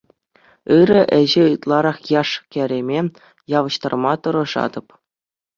Ырӑ ӗҫе ытларах яш-кӗрӗме явӑҫтарма тӑрӑшатӑп.